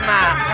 nah ini mereka